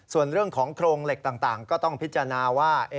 ส่วนเรื่องของโครงเหล็กต่างก็ต้องพิจารณาว่า